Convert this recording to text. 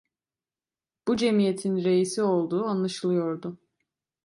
Bu cemiyetin reisi olduğu anlaşılıyordu.